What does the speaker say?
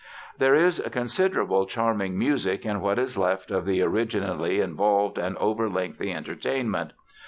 There is considerable charming music in what is left of the originally involved and over lengthy entertainment.